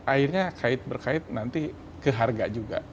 akhirnya kait berkait nanti keharga juga